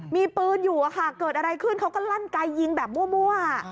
มีปืนอยู่อะค่ะเกิดอะไรขึ้นเขาก็ลั่นไกยิงแบบมั่ว